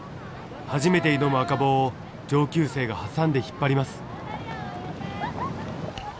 初めて挑む赤帽を上級生が挟んで引っ張ります。